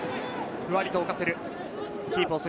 ふわりと浮かせる。